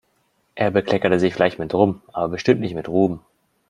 Er bekleckert sich vielleicht mit Rum, aber bestimmt nicht mit Ruhm.